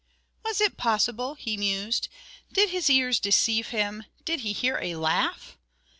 "Was it possible?" he mused. "DID his ears deceive him? DID he hear a laugh?